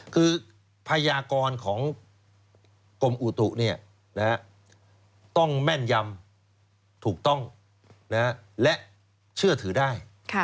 คือพยากรของกรมอุตุต้องแม่นยำถูกต้องและเชื่อถือได้